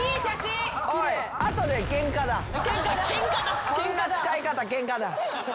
こんな使い方ケンカだ。